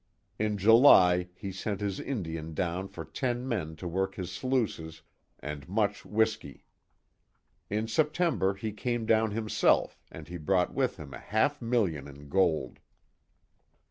In July he sent his Indian down for ten men to work his sluices and much whiskey. In September he came down himself and he brought with him a half million in gold.